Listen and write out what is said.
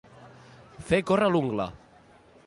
Fer córrer l'ungla.